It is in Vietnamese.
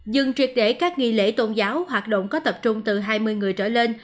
dừng triệt để các nghi lễ tôn giáo hoạt động có tập trung từ hai mươi người trở lên